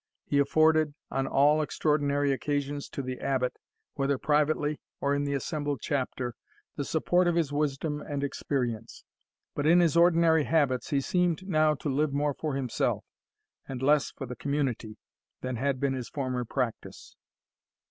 He afforded, on all extraordinary occasions, to the Abbot, whether privately, or in the assembled Chapter, the support of his wisdom and experience; but in his ordinary habits he seemed now to live more for himself, and less for the community, than had been his former practice.